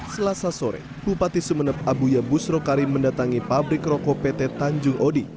selasa sore bupati sumeneb abuya busro karim mendatangi pabrik rokok pt tanjung odi